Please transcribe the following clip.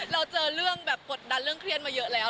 เราเจอเรื่องแบบกดดันเรื่องเครียดมาเยอะแล้ว